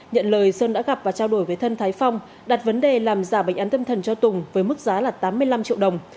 nhận lời sơn đã gặp và trao đổi với thân thái phong đặt vấn đề làm giả bệnh án tâm thần cho tùng với mức giá là tám mươi năm triệu đồng